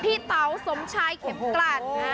เต๋าสมชายเข็มกลัด